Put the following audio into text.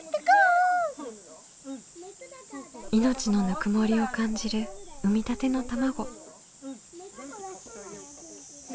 命のぬくもりを感じる産みたての卵。